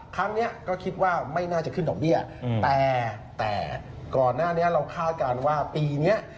ครั้งนี้ก็คิดว่าไม่น่าจะขึ้นดอกเบี้ยแต่แต่ก่อนหน้านี้เราคาดการณ์ว่าปีนี้